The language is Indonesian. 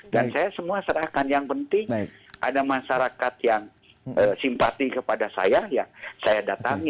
dan saya semua serahkan yang penting ada masyarakat yang simpati kepada saya ya saya datangi